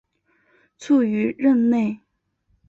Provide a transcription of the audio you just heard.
卒于任内。